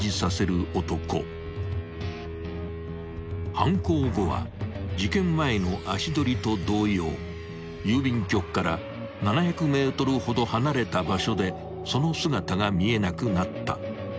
［犯行後は事件前の足取りと同様郵便局から７００ｍほど離れた場所でその姿が見えなくなった］